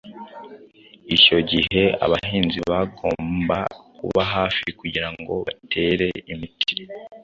icyo gihe abahinzi bagomba kuba hafi kugira ngo batere imiti